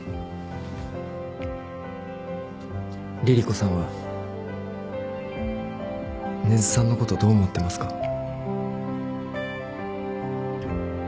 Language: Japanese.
凛々子さんは根津さんのことどう思ってますか？